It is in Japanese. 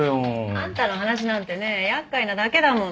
あんたの話なんてね厄介なだけだもの。